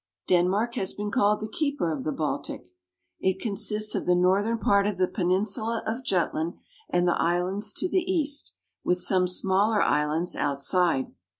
Denmark has been called the Keeper of the Baltic. It consists of the northern part of the peninsula of Jutland, and the islands to the east, with some smaller islands out side.